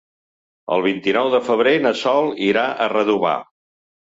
El vint-i-nou de febrer na Sol irà a Redovà.